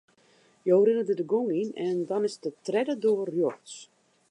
Jo rinne dêr de gong yn en dan is it de tredde doar rjochts.